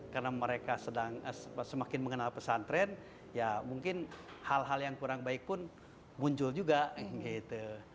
karena mereka semakin mengenal pesantren ya mungkin hal hal yang kurang baik pun muncul juga gitu